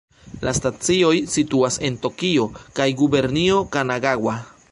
La stacioj situas en Tokio kaj Gubernio Kanagaŭa.